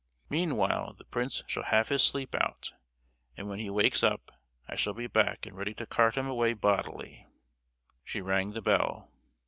Meanwhile the prince shall have his sleep out, and when he wakes up I shall be back and ready to cart him away bodily!" She rang the bell.